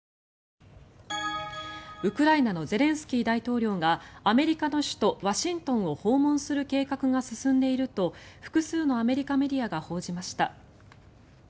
ウクライナのゼレンスキー大統領がアメリカの首都ワシントンを訪問する計画が進んでいると複数のアメリカメディアが報じました。